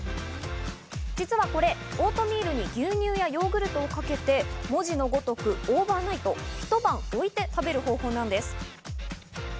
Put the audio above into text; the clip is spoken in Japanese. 実はこれ、オートミールに牛乳やヨーグルトをかけて、文字のごとくオーバーナイト、ひと晩置いて食べる方法なんです。